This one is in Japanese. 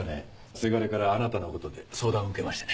せがれからあなたのことで相談を受けましてね。